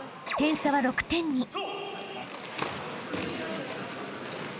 ［点差は６点に］